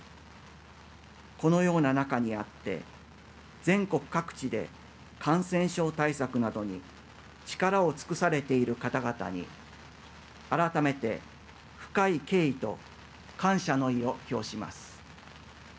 このような中にあって全国各地で感染症対策などに力を尽くされている方々に改めて深い敬意と感謝の意を表します。